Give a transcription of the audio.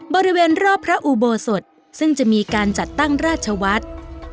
บริเวณรอบพระอุโบสถซึ่งจะมีการจัดตั้งราชวัฒน์